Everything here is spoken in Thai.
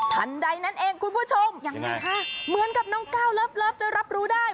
ทันใดนั้นเองคุณผู้ชมยังไงคะเหมือนกับน้องก้าวเลิฟจะรับรู้ได้